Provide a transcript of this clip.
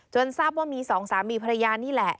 ทราบว่ามีสองสามีภรรยานี่แหละ